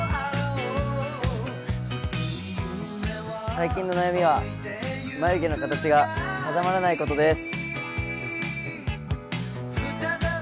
最近の悩みは眉毛の形が定まらないところです。